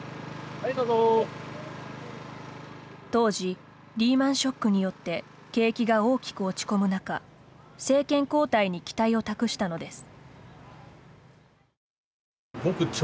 当時、リーマンショックによって景気が大きく落ち込む中政権交代に期待を託したのです。